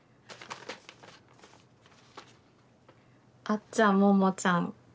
「あっちゃんももちゃん